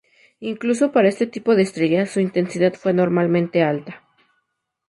Incluso para este tipo de estrellas, su intensidad fue anormalmente alta.